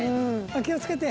お気をつけて。